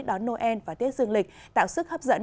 đón noel và tết dương lịch tạo sức hấp dẫn